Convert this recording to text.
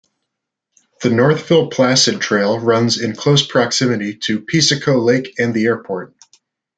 The Northville-Placid Trail runs in close proximity to Piseco Lake and the airport.